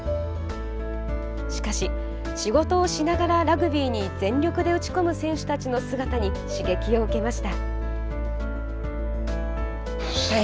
しかし、仕事をしながらラグビーに全力で打ち込む選手たちの姿に刺激を受けました。